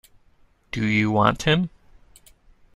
Do you want him?